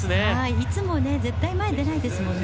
いつも絶対前に出ないですよね。